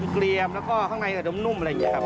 เกลียมแล้วก็ข้างในจะนุ่มอะไรอย่างนี้ครับ